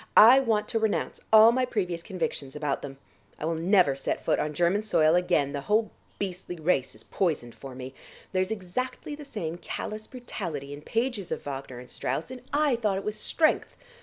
I want to renounce all my previous convictions about them. I will never set foot on German soil again; the whole beastly race is poisoned for me. There's exactly the same callous brutality in pages of Wagner and Strauss, and I thought it was strength!